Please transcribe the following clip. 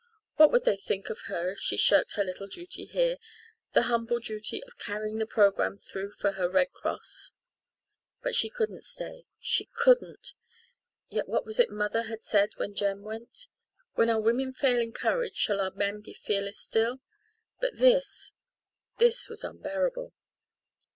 What would they think of her if she shirked her little duty here the humble duty of carrying the programme through for her Red Cross? But she couldn't stay she couldn't yet what was it mother had said when Jem went: "When our women fail in courage shall our men be fearless still?" But this this was unbearable.